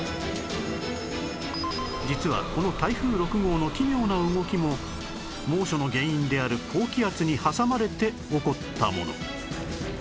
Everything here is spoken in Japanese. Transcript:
実はこの台風６号の奇妙な動きも猛暑の原因である高気圧に挟まれて起こったもの